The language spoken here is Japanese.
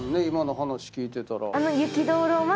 今の話聞いてたら。